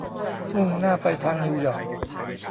มุ่งหน้าไปทางนิวยอร์ก